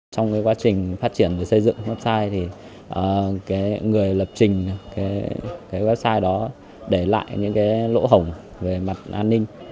trong quá trình phát triển và xây dựng website người lập trình website đó để lại những lỗ hổng về mặt an ninh